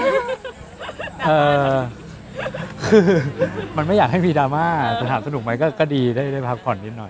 คือมันไม่อยากให้มีดราม่าแต่ถามสนุกไหมก็ดีได้พักผ่อนนิดหน่อย